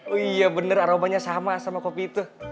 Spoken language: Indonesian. oh iya bener aromanya sama sama kopi itu